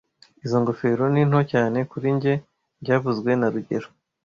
Izoi ngofero ni nto cyane kuri njye byavuzwe na rugero